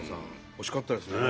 惜しかったですね。